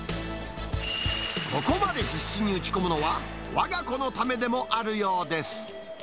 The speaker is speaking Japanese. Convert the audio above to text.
ここまで必死に打ち込むのは、わが子のためでもあるようです。